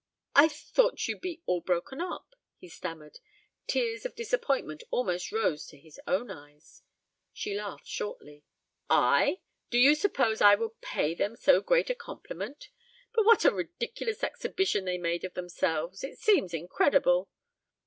"I thought you'd be all broken up," he stammered. Tears of disappointment almost rose to his own eyes. She laughed shortly. "I? Do you suppose I would pay them so great a compliment? But what a ridiculous exhibition they made of themselves. It seems incredible."